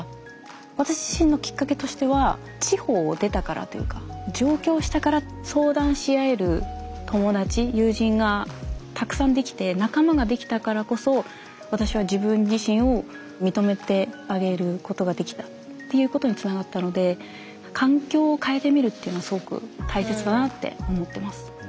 私自身のきっかけとしては地方を出たからというか上京したから相談し合える友達友人がたくさんできて仲間ができたからこそ私は自分自身を認めてあげることができたっていうことにつながったので環境を変えてみるっていうのはすごく大切だなって思ってます。